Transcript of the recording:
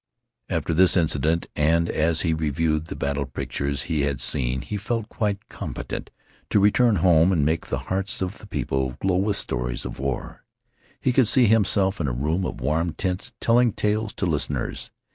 After this incident, and as he reviewed the battle pictures he had seen, he felt quite competent to return home and make the hearts of the people glow with stories of war. He could see himself in a room of warm tints telling tales to listeners.